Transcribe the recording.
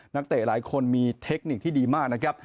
เตะหลายคนมีเทคนิคที่ดีมากนะครับ